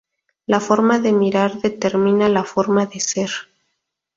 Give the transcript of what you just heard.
La forma de mirar determina la forma de ser.